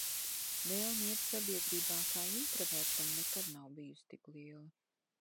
Vēlme iet sabiedrībā kā intravertam nekad nav bijusi tik liela.